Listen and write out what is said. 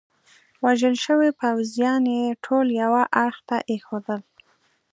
وژل شوي پوځیان يې ټول یوه اړخ ته ایښودل.